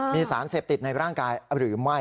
มีสารเสพติดในร่างกายหรือไม่